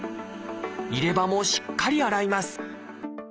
入れ歯もしっかり洗います。